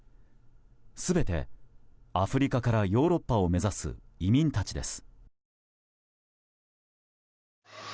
全てアフリカからヨーロッパを目指す移民たちです。